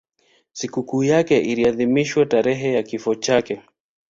Sikukuu yake inaadhimishwa tarehe ya kifo chake.